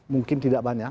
mungkin tidak banyak